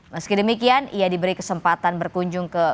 meski demikian ia diberi kesempatan berkunjung ke